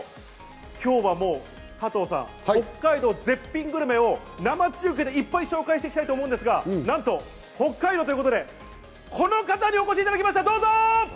今日は北海道絶品グルメを生中継でいっぱい紹介していきたいと思うんですが、北海道ということで、この方にお越しいただきました、どうぞ！